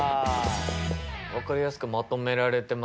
分かりやすくまとめられてますね。